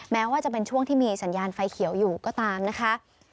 แม้ว่าจะเป็นช่วงที่มีสัญญาณไฟเขียวอยู่ก็ตามนะคะ